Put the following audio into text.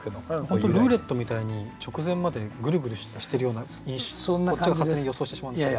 本当にルーレットみたいに直前までぐるぐるしてるようなこっちが勝手に予想してしまうんですけど。